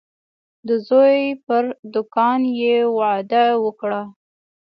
د زوی پر دوکان یې وعده وکړه.